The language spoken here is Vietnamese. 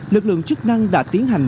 lực lượng chức năng đã tiến hành